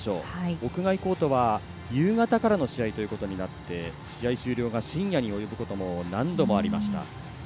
屋外コートは夕方からの試合ということになって試合終了が深夜に及ぶことも何度もありました。